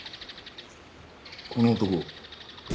この男。